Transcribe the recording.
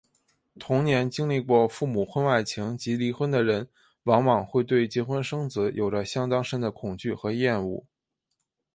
童年经历过父母婚外情及离婚的人往往会对结婚生子有着相当深的恐惧和厌恶。